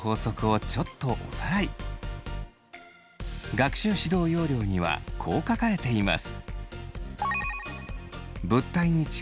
学習指導要領にはこう書かれています。